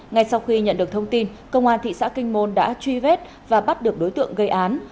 ngay sau khi nhận được thông tin công an thị xã kinh môn đã truy vết và bắt được đối tượng gây án